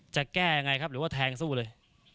จะแก้ยังไงครับหรือว่าแทงสู้เลย